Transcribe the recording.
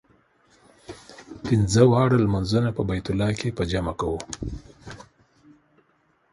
پنځه واړه لمونځونه په بیت الله کې په جمع کوو.